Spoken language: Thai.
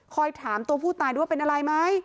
ถามตัวผู้ตายด้วยว่าเป็นอะไรไหม